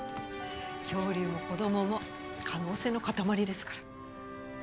恐竜も子どもも可能性の塊ですから。